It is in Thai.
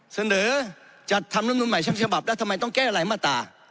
เสนอจัดทำลำนูลใหม่ฉบับแล้วทำไมต้องแก้รายมาตรา